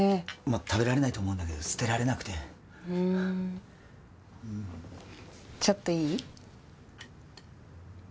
食べられないと思うんだけど捨てられなくてちょっといい？